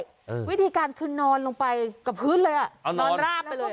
วิธีการคือนอนลงไปกับพื้นเลยอ่ะนอนราบไปเลย